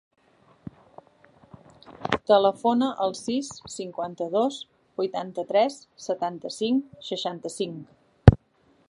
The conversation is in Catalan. Telefona al sis, cinquanta-dos, vuitanta-tres, setanta-cinc, seixanta-cinc.